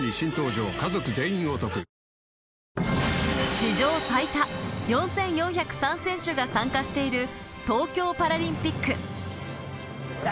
史上最多４４０３選手が参加している東京パラリンピック。